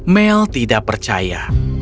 mel tidak percaya